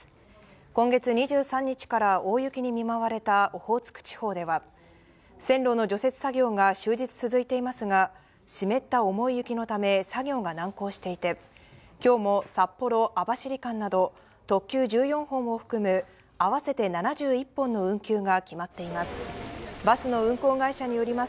今月２３日から大雪に見舞われたオホーツク地方では線路の除雪作業が終日続いていますが、湿った重い雪のため、作業が難航していて、きょうも札幌ー網走間など、特急１４本を含む、合わせて７１本の運休が決まっています。